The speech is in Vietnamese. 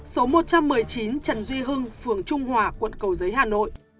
số một trăm một mươi chín trần duy hưng phường trung hòa quận cầu giấy hà nội